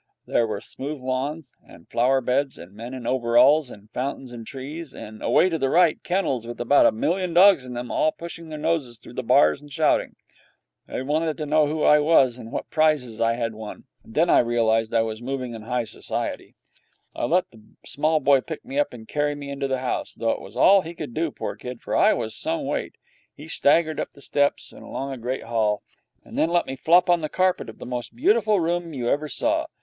There were smooth lawns and flower beds, and men in overalls, and fountains and trees, and, away to the right, kennels with about a million dogs in them, all pushing their noses through the bars and shouting. They all wanted to know who I was and what prizes I had won, and then I realized that I was moving in high society. I let the small boy pick me up and carry me into the house, though it was all he could do, poor kid, for I was some weight. He staggered up the steps and along a great hall, and then let me flop on the carpet of the most beautiful room you ever saw.